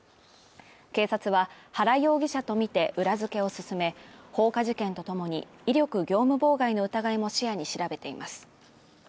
警察は原容疑者とみて裏付けを進め放火事件とともに、威力業務妨害の疑いも視野に調べています。